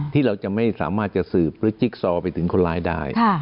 ที่เราจะไม่สามารถจะสืบหรือจิ๊กซอไปถึงคนร้ายได้